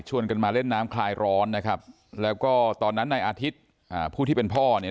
กันมาเล่นน้ำคลายร้อนนะครับแล้วก็ตอนนั้นในอาทิตย์อ่าผู้ที่เป็นพ่อเนี่ย